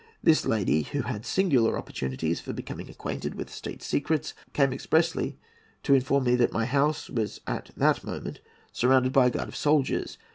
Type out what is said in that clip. This lady, who had singular opportunities for becoming acquainted with state secrets, came expressly to inform me that my house was at that moment surrounded by a guard of soldiers.